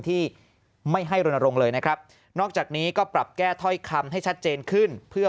ที่ไม่ให้รณรงค์เลยนะครับนอกจากนี้ก็ปรับแก้ถ้อยคำให้ชัดเจนขึ้นเพื่อ